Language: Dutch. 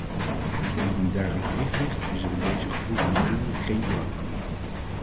Zonder een dergelijk evenwicht is er in deze gevoelige materie geen voortgang mogelijk.